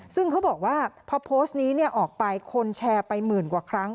ซึ่งเขาบอกว่าพอโพสต์นี้ออกไปคนแชร์ไปหมื่นกว่าครั้ง